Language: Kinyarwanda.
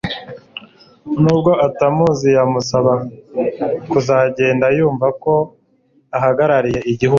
nubwo atamuzi yamusaba kuzagenda yumva ko ahagarariye igihugu